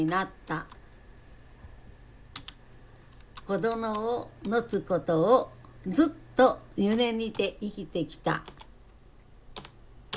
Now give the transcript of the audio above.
子どもを持つことをずっと夢見て生きてきた。